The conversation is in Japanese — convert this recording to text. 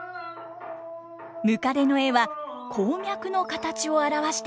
ムカデの絵は鉱脈の形を表しているとか。